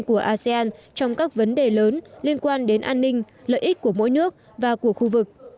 của asean trong các vấn đề lớn liên quan đến an ninh lợi ích của mỗi nước và của khu vực